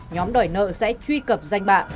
nhóm đòi nợ sẽ truy cập danh bạ